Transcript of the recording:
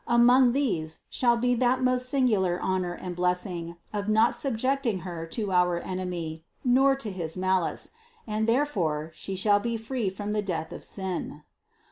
Among these shall be that most singular honor and blessing of not subjecting Her to our enemy, nor to his malice; and therefore She shall be free from the death of sin."